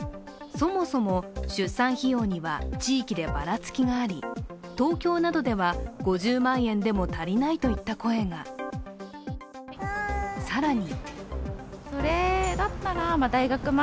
そもそも出産費用には地域でばらつきがあり東京などでは、５０万円でも足りないといった声が更に。